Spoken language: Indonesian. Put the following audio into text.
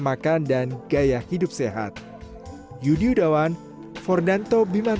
makan dan gaya hidup sehat